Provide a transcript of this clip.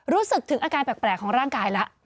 รู้สึกถึงอาการแปลกของร่างกายแล้ว